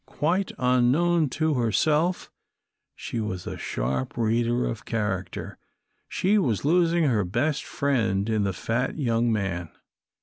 Quite unknown to herself, she was a sharp reader of character. She was losing her best friend in the fat young man.